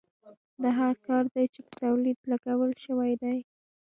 دا هغه کار دی چې په تولید لګول شوی دی